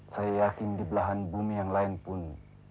saya yakin di belahan bumi yang lain pun